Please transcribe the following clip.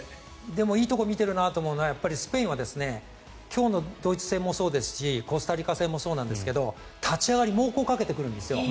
でもいいところ見てるなと思うのはスペインは今日のドイツ戦もそうですしコスタリカ戦もそうなんですが立ち上がり猛攻をかけてくるんですよ。